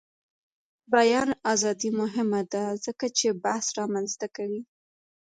د بیان ازادي مهمه ده ځکه چې بحث رامنځته کوي.